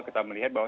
kita melihat bahwa